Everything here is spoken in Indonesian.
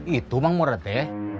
itu mang murad ya